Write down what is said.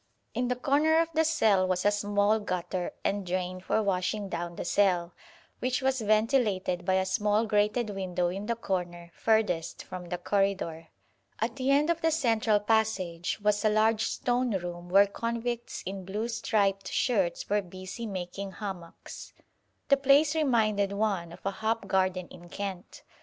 In the corner of the cell was a small gutter and drain for washing down the cell, which was ventilated by a small grated window in the corner furthest from the corridor. At the end of the central passage was a large stone room where convicts in blue striped shirts were busy making hammocks. The place reminded one of a hop garden in Kent.